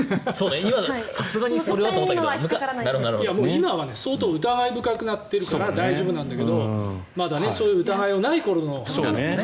今は相当疑い深くなっているから大丈夫なんだけどまだ、そういう疑いのない頃の。